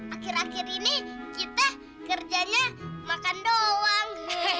akhir akhir ini kita kerjanya makan doang